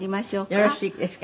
よろしいですか？